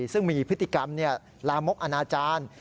ซึ่งมีพฤติกรรมลามกอนาจารย์